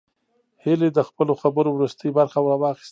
هيلې د خپلو خبرو وروستۍ برخه راواخيسته